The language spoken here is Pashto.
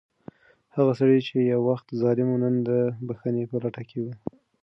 هغه سړی چې یو وخت ظالم و، نن د بښنې په لټه کې و.